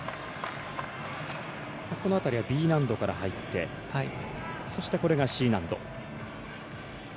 この辺りはＢ難度から入ってそして、Ｃ難度。